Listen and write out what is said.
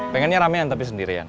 pengennya ramean tapi sendirian